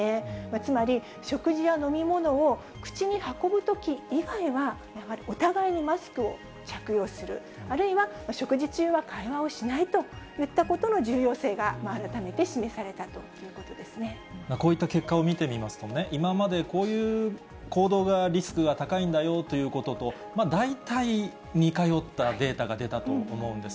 つまり食事や飲み物を口に運ぶとき以外は、お互いにマスクを着用する、あるいは食事中は会話をしないといったことの重要性が改めて示さこういった結果を見てみますと、今までこういう行動がリスクが高いんだよということと、大体似通ったデータが出たと思うんです。